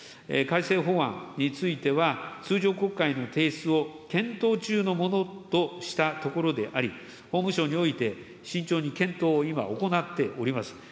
改正法案については、通常国会の提出を検討中のものとしたところであり、法務省において慎重に検討を今、行っております。